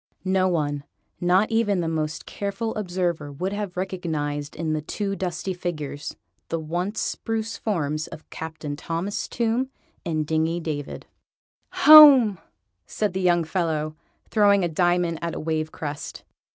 No one, not even the most careful observer, would have recognised in the two dusty figures, the once spruce forms of Captain Thomas Tomb and Dingy David. "Home!" said the young fellow, throwing a diamond at a wave crest.